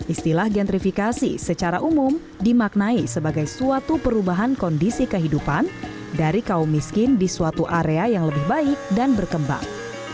istilah gentrifikasi secara umum dimaknai sebagai suatu perubahan kondisi kehidupan dari kaum miskin di suatu area yang lebih baik dan berkembang